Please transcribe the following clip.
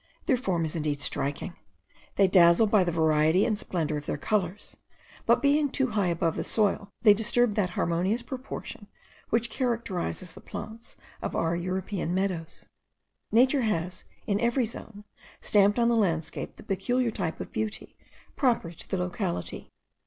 Their form is indeed striking; they dazzle by the variety and splendour of their colours; but being too high above the soil, they disturb that harmonious proportion which characterizes the plants of our European meadows. Nature has in every zone stamped on the landscape the peculiar type of beauty proper to the locality.